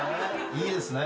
いいですね。